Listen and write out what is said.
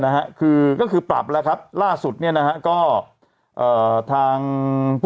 นะฮะคือก็คือปรับแล้วครับล่าสุดเนี่ยนะฮะก็เอ่อทางผู้